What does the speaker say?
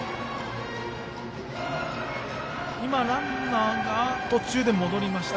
今、ランナーが途中で戻りました。